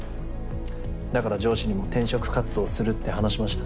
だから上司にも転職活動するって話しました。